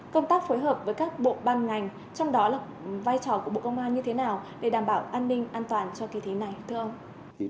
công tác phối hợp với các bộ ban ngành trong đó là vai trò của bộ công an như thế nào để đảm bảo an ninh an toàn cho kỳ thi này thưa ông